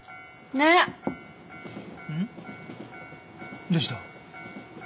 どうした？